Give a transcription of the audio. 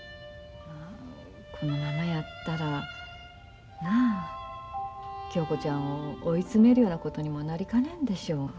このままやったらなあ恭子ちゃんを追い詰めるようなことにもなりかねんでしょう。